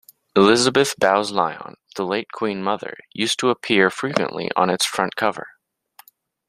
Elizabeth Bowes-Lyon, the late Queen Mother, used to appear frequently on its front cover.